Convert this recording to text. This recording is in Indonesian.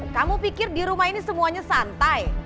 kamu pikir di rumah ini semuanya santai